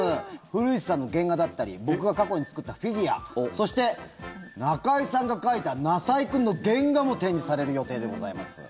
古市さんの原画だったり僕が過去に作ったフィギュアそして、中居さんが描いたなさいくんの原画も展示される予定でございます。